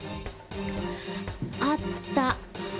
あった。